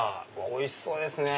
おいしそうですね！